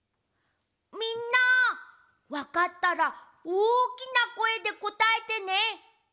みんなわかったらおおきなこえでこたえてね！